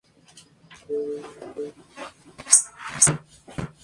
Sumado al sol veraniego, esto causó pequeños fuegos difíciles de detectar.